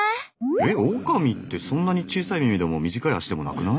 えっオオカミってそんなに小さい耳でも短い脚でもなくない？